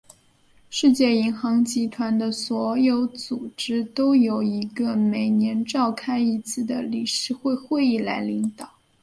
世界银行集团的所有组织都由一个每年召开一次的理事会会议来领导。